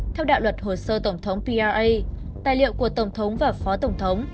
theo đạo luật hồ sơ tổng thống pia tài liệu của tổng thống và phó tổng thống